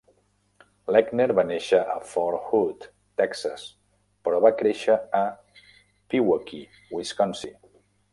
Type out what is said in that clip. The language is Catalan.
Lechner va néixer a Fort Hood, Texas, però va créixer a Pewaukee, Wisconsin.